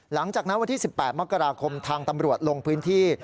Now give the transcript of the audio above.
หลังจากนั้นวันที่๑๘มกราคมทางตำรวจลงพื้นที่